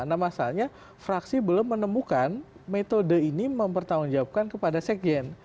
nah masalahnya fraksi belum menemukan metode ini mempertanggungjawabkan kepada sekjen